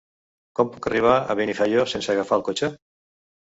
Com puc arribar a Benifaió sense agafar el cotxe?